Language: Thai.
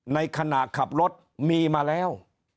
ในขณะขับรถมีมาแล้ว